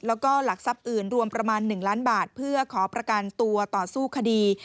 แล้วก็หลักทรัพย์อื่นรวมประมาณ๑ล้านบาทเพื่อขอประกันตัวต่อสู้คดี